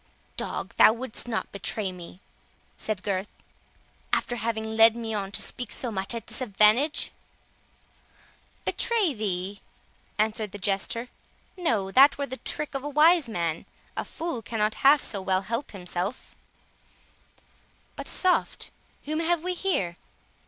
"Dog, thou wouldst not betray me," said Gurth, "after having led me on to speak so much at disadvantage?" "Betray thee!" answered the Jester; "no, that were the trick of a wise man; a fool cannot half so well help himself—but soft, whom have we here?"